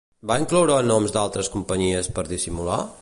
Van incloure noms d'altres companyies per dissimular?